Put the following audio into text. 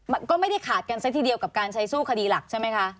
มันก็ไม่ได้ขาดกันซะทีเดียวกับการใช้สู้คดีหลักใช่ไหมคะ